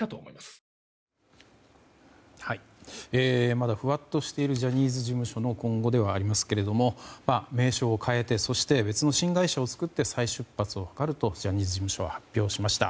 まだふわっとしているジャニーズ事務所の今後ではありますけども名称を変えてそして、別の新会社を作って再出発を図るとジャニーズ事務所は発表しました。